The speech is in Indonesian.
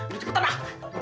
lo cepetan ah